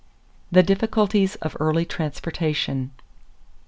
=The Difficulties of Early Transportation.